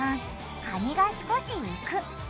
カニが少し浮く。